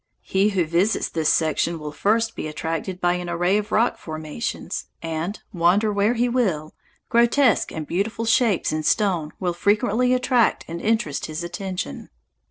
He who visits this section will first be attracted by an array of rock formations, and, wander where he will, grotesque and beautiful shapes in stone will frequently attract and interest his attention.